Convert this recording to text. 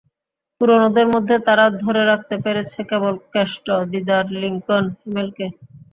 পুরোনোদের মধ্যে তারা ধরে রাখতে পেরেছে কেবল কেষ্ট, দিদার, লিংকন, হিমেলকে।